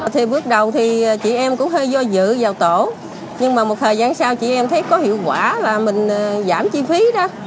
thì bước đầu thì chị em cũng hơi do dự vào tổ nhưng mà một thời gian sau chị em thấy có hiệu quả và mình giảm chi phí đó